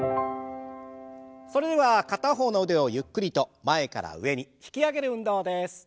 それでは片方の腕をゆっくりと前から上に引き上げる運動です。